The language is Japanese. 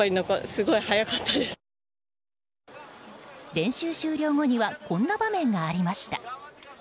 練習終了後にはこんな場面がありました。